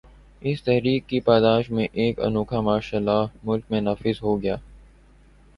اس تحریک کی پاداش میں ایک انوکھا مارشل لاء ملک میں نافذ ہو گیا۔